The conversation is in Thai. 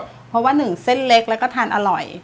เพราะว่าหนึ่งเส้นเล็กแล้วก็ทานอร่อย